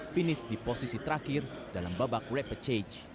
finish di posisi terakhir dalam babak rapid change